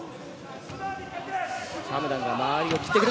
シャムダンが間合いを切ってくる。